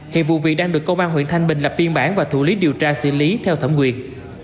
hiện vụ việc đang được công an huyện thanh bình lập biên bản và thủ lý điều tra xử lý theo thẩm quyền